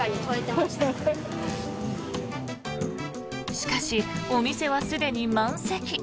しかし、お店はすでに満席。